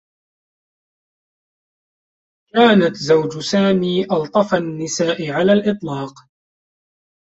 كانت زوج سامي ألطفَ النساء على الإطلاق.